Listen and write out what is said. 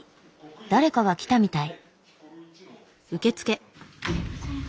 誰かが来たみたい。